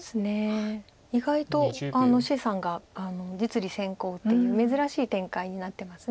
意外と謝さんが実利先行っていう珍しい展開になってます。